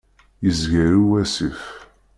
Yezger i wasif.